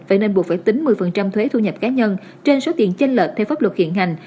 phải nên buộc phải tính một mươi thuế thu nhập cá nhân trên số tiền chênh lợt theo pháp luật hiện hành